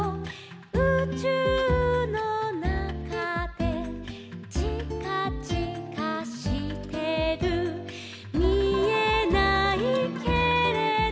「うちゅうのなかで」「ちかちかしてる」「みえないけれど」